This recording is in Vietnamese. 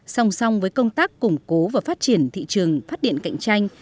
song song với công tác củng cố và phát triển thị trường phát điện cạnh tranh